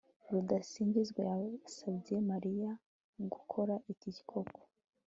rudasingwa yasabye mariya gukora iki koko